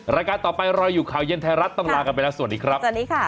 รายการต่อไปรออยู่ข่าวเย็นไทยรัฐต้องลากันไปแล้วสวัสดีครับสวัสดีค่ะ